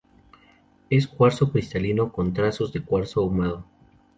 Es cuarzo cristalino, con trazos de cuarzo ahumado.